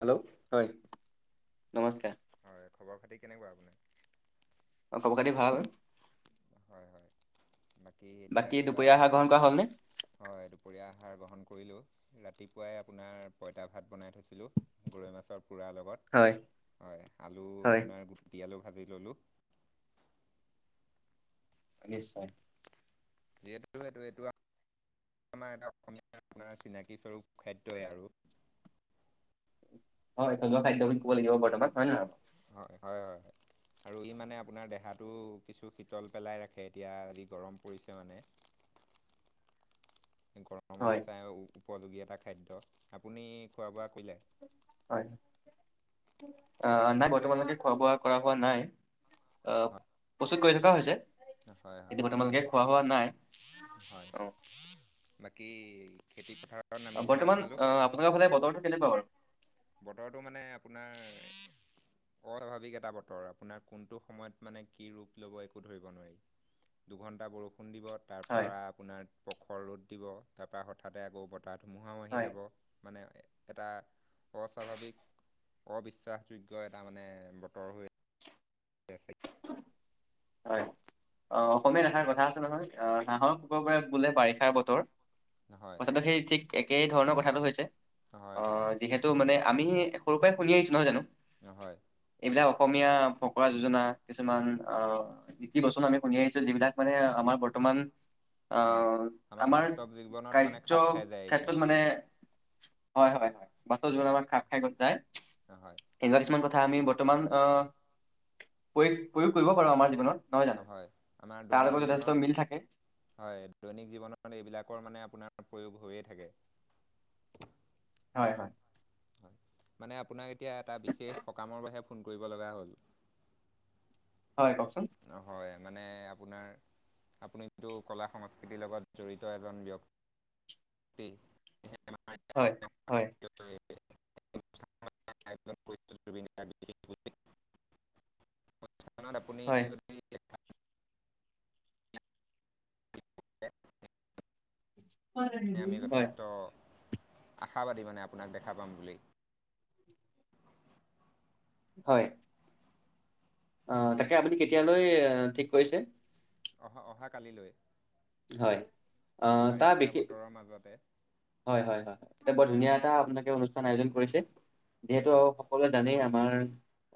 Hello. কাৰ হয় নমস্কাৰ। হয় খবৰ খাতি কেনেকুৱা [unintelligible] অ খবৰ খাতি ভাল হয় হয় বাকী এতিয়া কিবা। দুপৰীয়া আহাৰ গ্ৰহণ কৰা হ'লনে? হয় দুপৰীয়া আহাৰ গ্ৰহণ কৰিলো। ৰাতিপুৱাই আপোনাৰ পঁইতা ভাত বনাই থৈছিলো, গৰৈ মাছৰ। ৰ লগত। হয় হয় আলু হয় আপোনাৰ গুটি আলু ভাজি ললোঁ। নিশ্চয়। যিহেতু সেইটো এইটো। আমাৰ এটা অসমীয়া আপোনাৰ চিনাকীস্বৰূপ খাদ্যই আৰু। হয় থলোৱা খাদ্য খিনি [unintelligible] বৰ্তমান হয় নে নহয়। হয় হয় হয় হয়। আৰু ই মানে আপোনাৰ দেহাটো কিছু শীতল পেলাই ৰাখে এতিয়া যি গৰম পৰিছে মানে। [unintelligible] হয় গৰমলৈ চাই উপযোগী এটা খাদ্য, আপুনি খোৱা বোৱা কৰিলে? হয় অহ নাই বৰ্তমানলৈকে খোৱা বোৱা কৰা হোৱা নাই। অহ প্ৰস্তুত কৰি থকা হৈছে। হয় হয় হয় এতিয়া বৰ্তমানলেকে খোৱা হোৱা নাই। হয়। বাকী খেতি পথাৰ? বৰ্তমান অহ আপোনালোকৰ ফালে বতৰটো কেনেকুৱা বাৰু? বতৰটো মানে আপোনাৰ। কটা ভাবি কেইটা বতৰ। আপোনাক কোনটো সময়ত মানে কি ৰূপ লব একো ধৰিব নোৱাৰি। দুঘন্টা বৰষুণ দিব, তাৰ হয় পৰা আপোনাৰ পখৰ ৰ'দ দিব, তাৰ পৰা হঠাতে আকৌ ব তাহ ধুমুহাও আহি হয় যাব। মানে এটা অস্বাভাৱিক অবিশ্বাসযোগ্য এটা মানে বতৰ হৈ আছে। হয় অ। অসমীয়া এষাৰ কথা আছে নহয়, অহ হাঁহক বগৰাই বোলে বাৰিষাৰ বতৰ। হয় কথাটো সেই ঠিক একেই ধৰণৰ কথাটো হৈছে। হয় অহ হয় যিহেতু মানে। আমি সৰুৰ পৰাই শুনি আহিছো নহয় জানো। অ হয়। এ অসমীয়া ফকৰা যোজনা। কিছুমান অ। কি কি বচন আমি শুনি আহিছো, যিবিলাক মানে আমাৰ বৰ্তমান। উম। অহ আমাৰ বাস্তৱ জীৱনত মানে কাৰ্য খাপ খাই যায় এইখিনি ক্ষেত্ৰত মানে হয় হয় হয় [unintelligible] খাপ খাই যায় হয় এনেকুৱা কিছুমান কথা। ত আমি বৰ্তমান অহ প্ৰয়োগ প্ৰয়োগ কৰিব পাৰো আমাৰ জীৱনত। নহয় জানো হয় আমাৰ তাৰ দৈনিক লগ লগত জীৱনত যথেষ্ট মিল থাকে। হয় দৈনিক জীৱনত এইবিলাকৰ মানে আপোনাৰ। প্ৰয়োগ হৈয়ে থাকে। হয় হয়। মানে আপোনাক এতিয়া এ বিশেষ সকামৰ বাবে ফোন কৰিব লগা হ'ল। হয় কওকচোন। হয় মানে আপোনাৰ আপুনিটো কলা সংস্কৃতিৰ লগত জড়িত এজন ব্যক্তি। পে। হয় হয় [unintelligible] [unintelligible] হয় [unintelligible] [unintelligible] আৰু আমি নিদিম, হয়। যথেষ্ট আশাবাদী মানে আপোনাক দেখা পাম বুলি। হয়', অ', তাকে আপুনি কেতিয়ালৈ অ', ঠিক কৰিছে। অহ', - অহাকালিলৈ হয়',। এই আহ তাৰ বাৰিষা বিশেষ বতৰৰ মাজতে হয়', - হয়', - হয়', তাৰপৰা হয় ধুনীয়া এটা আপোনালোকে অনুষ্ঠান আয়োজন কৰিছে। যিহেতু আৰু হয় সকলোৱে জানেই আমাৰ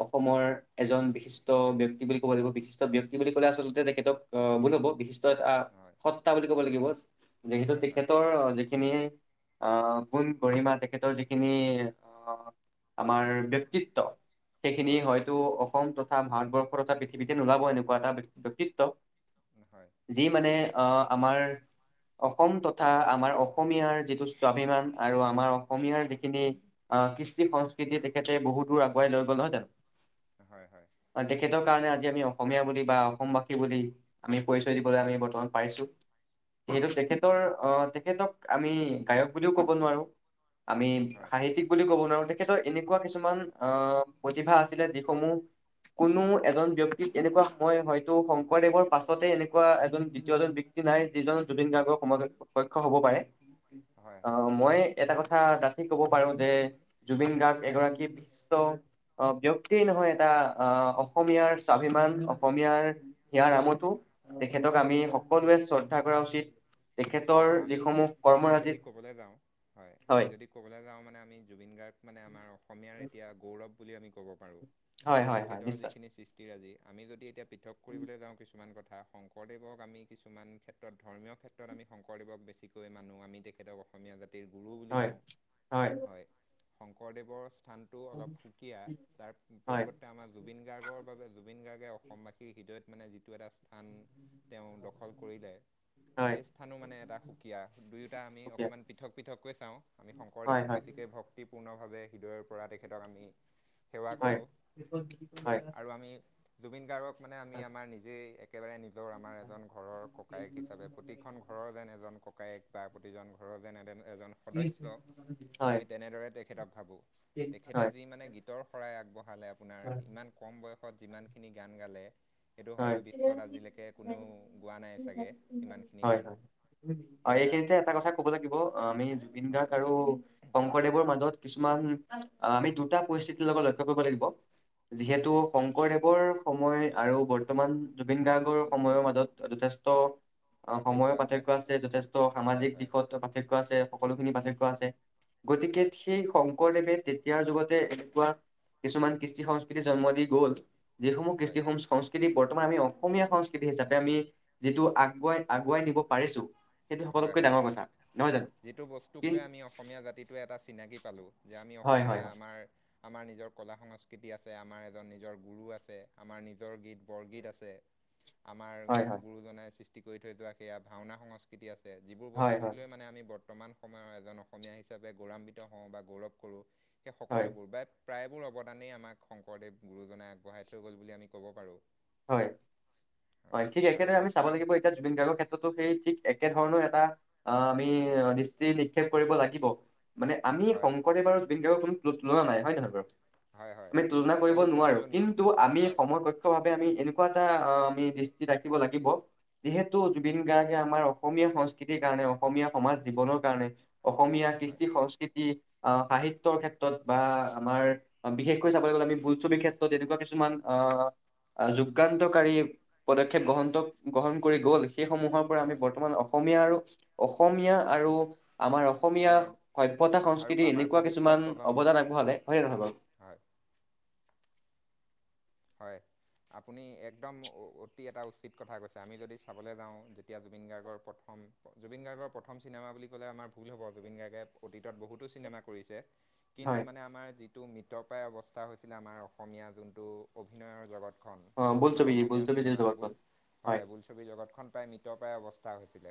অসমৰ এজন বিশিষ্ট ব্যক্তি বুলি ক'ব লাগিব বিশিষ্ট ব্যক্তি বুলি ক'লে আচলতে তেখেতক আ ভুল হ'ব বিশিষ্ বিশিষ্ট অ', এটা হয় সত্তা বুলি ক'ব লাগিব যিহেতু হয় হয় তেখেতৰ যিখিনি অ', গুণ গঢ়িমা তেখেতৰ যিখিনি আ', আমাৰ ব্যক্তিত্ব সেইখিনি হয় হয়তো অসম তথা ভাৰতবৰ্ষৰ এটা পৃথিৱীতে নোলাব এনেকুৱা এটা ব্যক্তিত্ব হয় হয় যি মানে আহ', আমাৰ অসম তথা আমাৰ অসমীয়াৰ যিটো স্বাভিমান আৰু আমাৰ অসমীয়াৰ যিখিনি কৃষ্টি সংস্কৃতি তেখেতে বহুত দূৰ আগুৱাই লৈ গ'ল নহয় জানো, হয় হয় তেখেতৰ কাৰণে আজি আমি অস অসমীয়া বুলি বা অসমবাসী বুলি আমি পৰিচয় দিবলৈ আমি বৰ্তমান পাইছোঁ যিহেতু হয় তেখেতৰ আহ', তেখেতক আমি গায়ক বুলিও কব নোৱাৰোঁ আমি হয় সাহিত্যিক বুলি ক'ব নোৱাৰোঁ তে তেখেতৰ এনেকুৱা কিছুমান আহ', প্ৰতিভা আছিলে যিসমূহ কোনো এজন ব্যক্তিক এনেকুৱা মই হয়তো শংকৰদেৱৰ পাছতে এনেকুৱা এজন দ্বিতীয়জন ব্যক ব্যক্তি নাই, যিজন জুবিন গাৰ্গৰ সমাজত প্ৰত্যক্ষ হূব পাৰে, হয় হয় আহ', মই এটা কথা কথা ডাঠি কব পাৰো যে জুবিন গাৰ্গ এগৰাকী বিশ্ব অ', ব্যক্তিয়েই নহয় এটা আহ', অসমীয়াৰ স্বাভিমান অসমীয়াৰ হিয়াৰ আমঠু তেখেতক হয় আমি সকলোৱে অ- শ্ৰদ্ধা কৰা উচিত, তেখেতৰ হয় আমি যিসমূহ এতিয়া যদি কৰ্মৰাজিত ক'বলৈ যাওঁ, হয়, আমি যদি ক'বলৈ যাওঁ মানে আমি জুবিন গাৰ্গ মানে আমাৰ অসমীয়াৰ এতিয়া গৌ গৌৰৱ বুলি আমি ক'ব পাৰোঁ। হয় হয় হয় তেখেতৰ নিশ্চয় যিখিনি সৃষ্টিৰাজি আমি যদি এতিয়া পৃথক কৰিবলৈ যাওঁ কিছুমান কথা কথা, শংকৰদেৱক আমি কিছুমান ক্ষেত্ৰত ধৰ্মীয় ক্ষেত্ৰত আমি শংকৰদেৱক বেছিকৈ মানো আমি তেখেতক অসমীয়া জাতিৰ গুৰু বুলি হয় কওঁ, হয়',। শংকৰদেৱৰ স্থানতটো অলপ সুকীয়া তাৰ হয় পৰিৱৰ্তে আমাৰ জুবিন গাৰ্গৰ বাবে জুবিন গাৰ্গ অসমবাসীৰ হৃদয়ত মানে যিটো এটা স্থান তেওঁ দখল কৰিলে, হয় সেই স্থা স্থান, মানে এটা সুকীয়া দুয়োটা আমি সুকীয়া অকণমান পৃথক পৃথকৈ চাওঁ আমি হয় শংকৰদেৱক হয় বেছিকে ভক্তি পূৰ্ণভাৱে হৃদয়ৰ পৰা তেখেতক‌ আমি সেৱা হয় কৰোঁ হয় হয় হয় আৰু আমি জুবিন গাৰ্গক মানে আমি আমাৰ নিজেই একেবাৰে নিজৰ আমাৰ এজন ঘৰৰ ককায়েক হিচাপে প্ৰতি ঘৰৰ যেন এজন ককায়েক বা প্ৰতিজন ঘৰৰ যেন এ এজন সদস্য আমি তেনেদৰে তেখেতক ভাবোঁ তেখেতে হয় যি মানে গীতৰ শৰাই আগবঢ়ালে আপোনাৰ ইমান কম কম বয়সত যিমানখিনি গান গালে এইটো হয় হয়তো বিশ্বত আজিলৈকে কোনেও গোৱা নাই চাগে ইমান হয়', হয়',। হয়', আৰু এইখিনিতে এটা হয় কথা ক'ব লাগিব অ', আমি জুবিন হয় গাৰ্গ আৰু শংকৰদেৱৰ ম মাজত, কিছুমান অ', আমি দুটা পৰিস্থিতিৰ লগত লক্ষ্য কৰিব লাগিব, হয় যিহেতু শংকৰদেৱৰ তেওঁৰ সময় আৰু বৰ্তমান জুবিন গাৰ্গৰ সময়ৰ মাজত যথেষ্ট অ', সময়ৰ পাৰ্থক্য আছে যথেষ্ট হয় সামাজিক হয় দিশতটো পাৰ্থক্য আছে। সকলোখিনি পাৰ্থক্য আছে গতিকে হয় সেই, শংকৰদেৱে তেতিয়াৰ যুগতে এনেকুৱা কিছুমান কৃষ্টি সংস্কৃতি জন্ম দি গল। যিসমূহ হয় কৃষিসম সং ত্ৰি বৰ্তমান আমি অসমীয়া সংস্কৃতি হিচাপে আমি যিটো আগুৱাই আগুৱাই নিব পাৰিছো সেইটো হয় সকলোতকৈ হয় ডাঙৰ কথা। নহয় জানো যিটো বস্তুক লৈ কিন্তু আমি অসমীয়া জাতিটোৱে এটা চিনাকি পালো যে আমি হয় হয় অসমীয়া হয় আমাৰ আমাৰ নিজৰ কলা সংস্কৃতি আছে আমাৰ এজন নিজৰ গুৰু আছে আমাৰ নিজৰ গীত বৰগীত আছে, আমাৰ হয় হয় গুৰুজনাই সৃষ্টি কৰি থৈ যোৱা সেয়া ভাওনা সংস্কৃতি আছে। যিবোৰ হয় হয় বস্তু লৈ মানে আমি বৰ, বৰ্তমান সময়ৰ এজন অসমীয়া হিচাপে গৌৰৱান্বিত হওঁ বা গৌৰৱ কৰো সেই হয় সকলোবোৰ ব প্ৰায়বোৰ অৱদানেই আমাক শংকৰদেৱ গুৰুজনাই আগবঢ়াই থৈ গ'ল বুলি আমি ক'ব পাৰোঁ। হয় হয় ঠিক আৰু একেদৰে আমি চাব বৰ্তমান লাগিব এতিয়া জুবিন গাৰ্গৰ ক্ষেত্ৰতো সেই ঠিক একে ধৰণৰ এটা আহ আমি দৃষ্টি নিক্ষেপ কৰিব লাগিব। মানে আমি হয় শংকৰদেৱ আৰু বেংগেৱৰ কোনো তুলনা নাই হয় নহয় বাৰু হয় হয় আমি তুলনা কৰিব তেওঁলোক নোৱাৰো অতুলনীয় কিন্তু আমি হয় সম কক্ষ ভাৱ আমি এনেকুৱা এটা আমি দৃষ্টি ৰাখিব লাগিব যিহেতু জুবিন হয় গাৰ্গে আমাৰ অসমীয়া সংস্কৃতিৰ কাৰণে অসমীয়া সমাজ জীৱনৰ কাৰণে অসমীয়া হয় কৃষ্টি সংস্কৃতি অ সাহিত্যৰ ক্ষেত্ৰত বা আমাৰ বিশেষকৈ চাবলৈ গ'লে আমি বোলছবি ক্ষেত্ৰত এনেকুৱা কিছুমান আহ যোগান্তকাৰী পদক্ষেপ গ্ৰহ গ্ৰহণ কৰি গল। সেইসমূহৰ পৰা আমি হয় বৰ্তমান অসমীয়া আৰু অসমীয়া আৰু আমাৰ অসমীয়া আমাৰ সভ্যতা আৰু সংস্কৃতি আমাৰ এনেকুৱা ভৱিষ্যত কিছুমান প্ৰজন্ম অৱদান আগবঢ়ালে হয়নে নহয় বাৰু [inaudible] হয় আপুনি একদম অতি এটা উচিত কথা কৈছে আমি যদি চাবলৈ যাওঁ যেতিয়া জুবিন গাৰ্গৰ প্ৰথম জুবিন গাৰ্গৰ প্ৰথম চিনেমা বুলি ক'লে আমাৰ ভুল হ'ব জুবিন গাৰ্গে অতীতত বহুতো চিনেমা কৰিছে। কিন্তু হয় মানে আমাৰ যিটো মৃতপায় অৱস্থা হৈছিলে আমাৰ অসমীয়া যোনটো অভিনয়ৰ লগত। অ ধৰক আমাৰ বোলছবি অসমীয়া বোলছবি যে চিনেমা বুল জগতখন হয় বোলছবি জগতখন প্ৰায় মৃত পৰা অৱস্থ হৈছিলে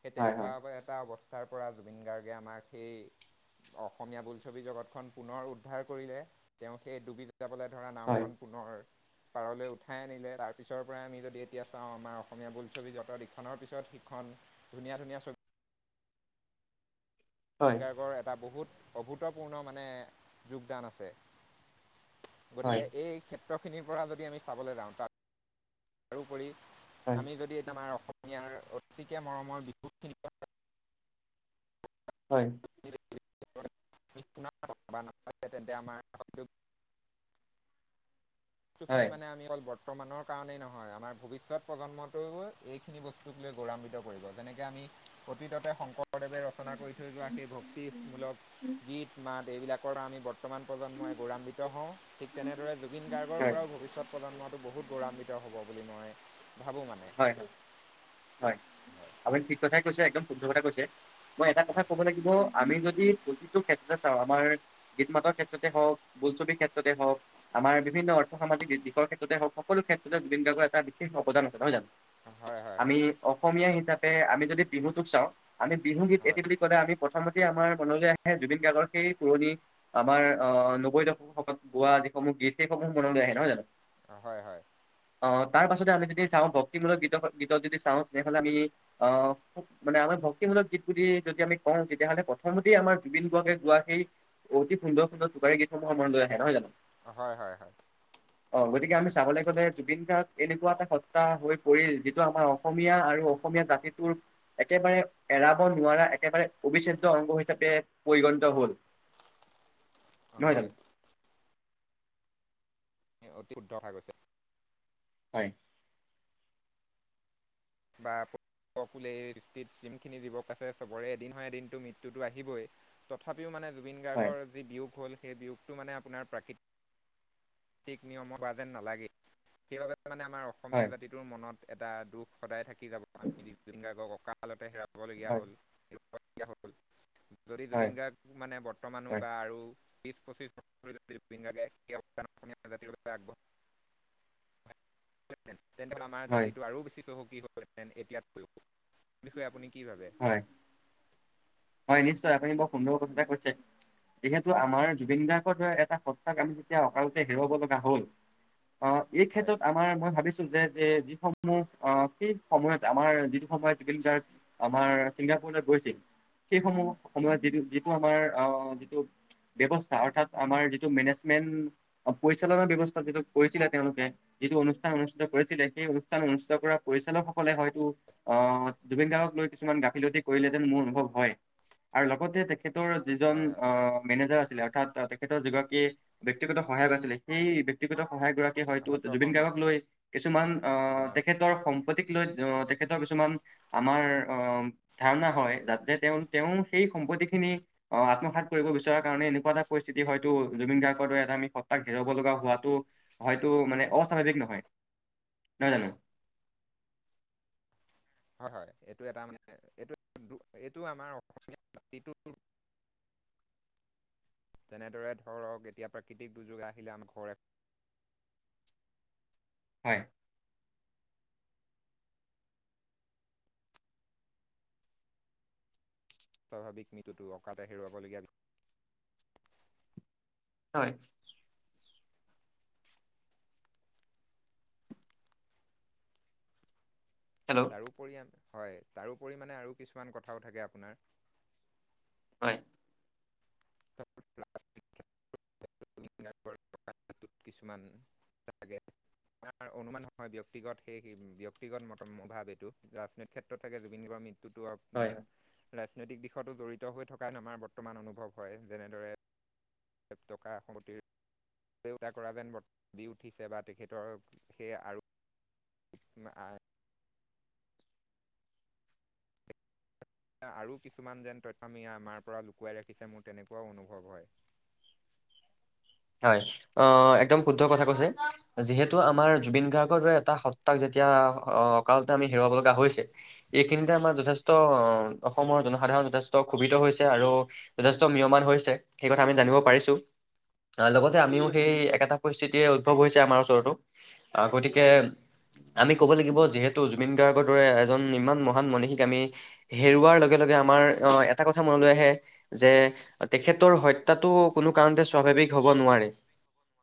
সেই হয় তেনেকুৱা হয় এটা অৱস্থাৰ পৰা জুবিন গাৰ্গে আমাক সেই অসমীয়া বোলছবি জগতখন পুনৰ উদ্ধাৰ কৰিলে তেওঁ সেই ডুবি যাবলৈ ধৰা হয় নাওখন হয় পাৰলৈ উঠাই আনিলে তাৰ পিছৰ পৰাই আমি যদি এতিয়া চাওঁ আমাৰ অসমীয়া বোলছবি যত ইখনৰ পিছত সিখন ধুনীয়া ধুনীয়া চবি লিং হয় গাৰ্গৰ এটা বহুত অভূতপূৰ্ণ মানে যোগদান আছে। হয় গতিকে এই ক্ষেত্ৰখিনিৰ পৰা যদি আমি চাবলৈ যাওঁ তাৰ তাৰোপৰি হয় আমি যদি ত আমাৰ অসমীয়াৰ অতিকে মৰমৰ বিহুখিনি হয় যদি তেন্তে আমাৰ সেই খিনি হয় হয় মানে আমি অ ব বৰ্তমানৰ কাৰণেই নহয় আমাৰ ভৱিষ্যত প্ৰজন্মটোও এইখিনি বস্তুক লৈ গৌৰান্বিত কৰিব যেনেকৈ আমি অতীততে শংকৰদেৱে ৰচনা কৰি থৈ লোৱা সেই ভক্তিমূলক গীত মাত এইবিলাকৰ আমি বৰ্তমান প্ৰজন্মই গৌৰাান্বিত হওঁ, ঠিক তেনেদৰে জুবিন হয় পৰা ভৱিষ্যত প্ৰজন্মটো বহুত গৌৰৱান্বিত হ'ব বুলি মই ভাবোঁ মানে হয়, হয়, হয় আপুনি ঠিক কথাই কৈছে একদম শুদ্ধ কথা কৈছে। মই এটা কথা ক'ব লাগিব আমি যদ দি প্ৰতিটো ক্ষেত্ৰতে চাওঁ, আমাৰ গীত মাতৰ ক্ষেত্ৰতে হওঁক, বোলছবিৰ ক্ষেত্ৰতে হওঁক আমাৰ বিভিন্ন অৰ্থ সামাজিক দিশৰ ক্ষেত্ৰতে হওক, সকলো ক্ষেত্ৰতে জুবিন গাৰ্গৰ এটা বিশেষ অৱদান নহয় জানো, হয় হয় আমি হয় অসমীয়া হিচাপে আমি যদি বিহুটোক চাওঁ আমি বিহু গীত এইটো হয় বুলি কলে আমি প্ৰথমতে আমাৰ মনলৈ আহে জুবিন গাৰ্গৰ সেই পুৰণি, আমাৰ অ নব্বৈ দশক বোৱা সেইসমূহ গীতহে সমূহ মনলৈ আহে নহয় জানো? হয় হয়। অ তাৰ পাছতে আমি যদি চাওঁ ভক্তিমূলক গীত গীতক যদি চাওঁ তেনেহলে আমি অ খুব মানে আমাৰ ভক্তিমূলক গীত বুলি যদি আমি কওঁ তেতিয়াহলে প্ৰথমতে আমাৰ জুবিন গৰ্গে গোৱা সেই অতি সুন্দৰ সুন্দৰ টোকাৰী গীতসমূহ সময় লৈ আহে নহয় জানো। হয় হয় হয়। অ গতিকে আমি চাবলৈ গলে জুবিন গাৰ্গ এনেকুৱা এটা টা হৈ পৰিল যিটো আমাৰ অসমীয়া আৰু অসমীয়া জাতিটোৰ একেবাৰে এৰাব নোৱাৰা একেবাৰে অবিচ্ছেদ্য অংগ হিচাপে পৰিগণিত হল। [inaudible] নহয় হয় জানো? অতি শুদ্ধ কথা কৈছে। হয়। বাপ কোলে দৃষ্টিত যিখিনি যুৱক আছে চবৰে এদিন হয় এদিনতো মৃত্যুটো আহিবই তথাপিও মানে জুবিন হয় গাৰ্গৰ যি বিয়োগ হ'ল সেই বিয়োগটো মানে আপোনাৰ প্ৰাকৃত তিক নিয়মত হোৱা যেন নালাগে সেইবাবে মানে আমাৰ অসমীয়া হয় জাতিটোৰ মনত এটা দুখ সদায় থাকি যাব আমি জুবিন গাৰ্গক অকালতে হেৰা বলগীয়া হয় হল হেৰুৱাবলগী়য়া হল। যদি হয় জুবিন গাৰ্গ মানে বৰ্তমানো বা হয় আৰু বিশ পঁচিছ জাতি আগবঢ় [inaudible] ন তেনেহলে আমাৰ হয় জাতিটো আৰু বেছি চহকী হলহেঁতেন এতিয়াতকৈয়ো। এই বিষয়ে আপুনি কি ভাবে? হয় হয় নিশ্চয় আপুনি বৰ সুন্দৰ কথা এটা কৈছে। যিহেতু আমাৰ জুবিন গাৰ্গৰ দৰে এটা সত্তাক আমি যেতিয়া অকালতে হেৰুৱাব লগা হ'ল অ এই হয় ক্ষেত্ৰত আমাৰ মই ভাবিছো যে যে যিসমূহ আহ সেই সময়ত আমাৰ যিটো সময়ত জুবিন গাৰ্গ আমাৰ চিংগা পুৰত গৈছিল, সেইসমূহ সময়ত যিটো যিটো আমাৰ আহ যিটো ব্যৱস্থা অৰ্থাৎ আমাৰ যিটো মেনেজমেন্ট, পৰিচালনা ব্যৱস্থা যিটো কৰিছিলে তেওঁলোকে যিটো অনুষ্ঠান অনুষ্ঠিত কৰিছিলে সেই অনুষ্ঠান অনুষ্ঠিত কৰা পৰিচালকসকলে হয়তো অ জুবিন গাৰ্গক কিছুমান গাফিলতি কৰিলেহতেন মোৰ অনুভৱ হয়। আৰু লগতে তেখেতৰ যিজন হয় হয়। অ মেনেজাৰ আছ ছিলে অৰ্থাৎ তেখেতৰ যি গৰাকী ব্যক্তিগত সহায়ক আছিলে সেই ব্যক্তিগত সহায়ক গৰাকী সত্ৰ হয়তো জুবিন শৰ্মা গাৰ্গক লৈ কিছুমান আহ জনা যায় তেখেতৰ সম্পত্তিক লৈ, আহ তেখেতৰ কিছুমান আমাৰ অ ধাৰণা হয় যাতে যে তেওঁ তেওঁ সেই সম্পত্তি খিনি অ আত্মসাত কৰিব বিচৰাৰ কাৰণে এনেকুৱা এটা পৰিস্থিতি হয়তো জুবিন গাৰ্গৰ দৰে এ আমি সত্তাক হেৰাব লগা হোৱাটো হয়তো মানে অস্বাভাৱিক নহয়। নহয় জানো? হয় হয় এইটো এটা মানে, এইটো এইটো আমাৰ অসমীয়া বটো [unintelligible] তেনেদৰে ধৰক এতিয়া প্ৰাকৃতিক দুৰ্যোগ আহিলে আমাৰ ঘৰে স [unintelligible] হয়। স্বাভাৱিক মৃত্যুটো অঁকাতে হেৰুৱাবলগীয়া। হয়। হেল্ল' তাৰওপৰি হয় তাৰোপৰি মানে আৰু কিছুমান কথাও থাকে আপোনাৰ। হয়। তাৰ [unintelligible] কিছুমান তাকে আমাৰ অনুমান নহয় ব্যক্তিগত সেই ব্যক্তিগত ভাৱ এইটো ৰাজনৈতিক ক্ষেত্ৰত থাকে জুবিন গাৰ্গৰ। ততো আপ হয় [unintelligible] ৰাজনৈতিক দিশতো জড়িত হৈ থকাত আমাৰ বৰ্তমান অনুভৱ হয় যেনেদৰে টকা সমষ্টিৰ দেউতা কৰা যেন বৰ্ত দি উঠিছে বা তেখেতৰ সেই আৰু ম আহ [unintelligible] এতিয়া আৰু কিছুমান যেন তথ্যমিয়া আমাৰ পৰা লুকুৱাই ৰাখিছে মোৰ তেনেকুৱাও অনুভৱ হয় [unintelligible] হয় অ একদম শুদ্ধ কথা কৈছে যিহেতু আমাৰ জুবিন গাৰ্গৰ দৰে এটা সত্তাক যেতিয়া কা অকালতে আমি হেৰুৱাব লগা হৈছে এইখিনিতে আমাৰ হয় যথেষ্ট অসমৰ জনসাধাৰণ যথেষ্ট ক্ষোভিত হৈছে আৰু যথেষ্ট মিয়মান হৈছে সেই কথা আমি জানিব পাৰিছো আহ লগতে আমিও সেই একেটা পৰিস্থিতিয়ে উদ্ভৱ হৈছে আমাৰ ওচৰতো আহ গতিকে আমি কব লাগিব যিহেতু জুবিন গাৰ্গৰ দৰে এজন ইমান মহান মনীষীক আমি হেৰুৱাৰ লগে লগে লগে লগে আমাৰ অঁ এটা কথা মনলৈ আহে যে তেখেতৰ হত্যটো কোনো কাৰনতে স্বাভাৱিক হ'ব নোৱাৰে।